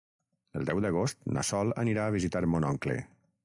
El deu d'agost na Sol anirà a visitar mon oncle.